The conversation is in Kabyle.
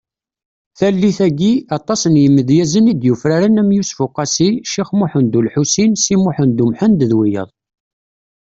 Tallit-agi, aṭas n yimedyazen i d-yufraren am Yusef Uqasi , Cix Muhend Ulḥusin Si Muḥend Umḥend d wiyaḍ .